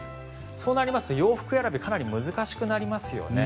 そうなると洋服選びかなり難しくなりますよね。